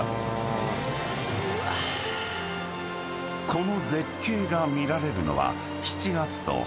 ［この絶景が見られるのは］